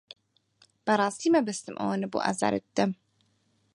بەڕاستی مەبەستم ئەوە نەبوو ئازارت بدەم.